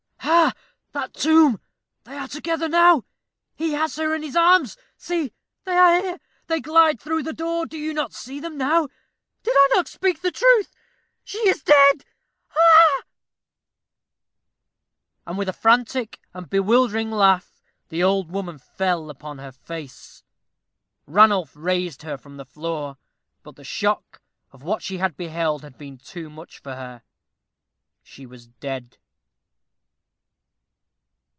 Ha! that tomb they are there together now he has her in his arms see, they are here they glide through the door do you not see them now? Did I not speak the truth? She is dead ha, ha!" And with a frantic and bewildering laugh the old woman fell upon her face. Ranulph raised her from the floor; but the shock of what she had beheld had been too much for her. She was dead!